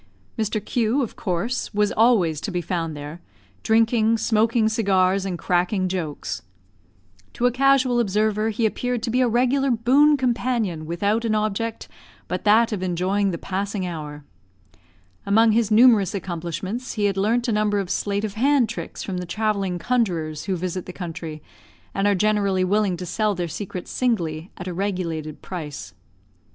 Mr Q , of course, was always to be found there, drinking, smoking cigars, and cracking jokes. To a casual observer he appeared to be a regular boon companion without an object but that of enjoying the passing hour. Among his numerous accomplishments, he had learnt a number of sleight of hand tricks from the travelling conjurors who visit the country, and are generally willing to sell their secrets singly, at a regulated price.